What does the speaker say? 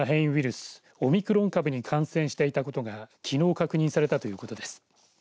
スオミクロン株に感染していたことがきのう確認されたということです。